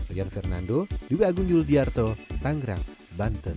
lian fernando dube agung yul diarto tanggara banten